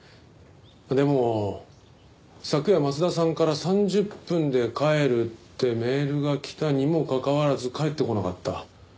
でも昨夜松田さんから「３０分で帰る」ってメールが来たにもかかわらず帰ってこなかった。